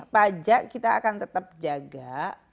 pajak kita akan tetap jaga